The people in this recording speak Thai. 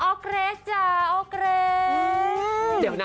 ออกเกรสจ้าออกเกรส